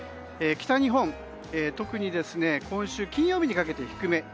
北日本は特に今週金曜日にかけて低め。